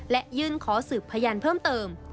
และยื่นขอสืบพยานเพิ่มเติม